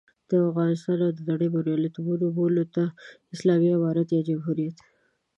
دا د افغانستان او نړۍ بریالیتوب بولو، نه اسلامي امارت یا جمهوریت.